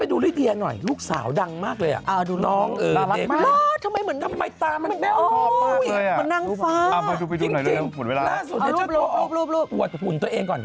เหมือนนางฟ้าจริงน่าสุดในช่วงโปรดอวดหุ่นตัวเองก่อน